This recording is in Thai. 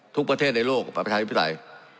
ทุกประเทศในโลกประชาธิปไตย